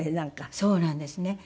そうなんですね。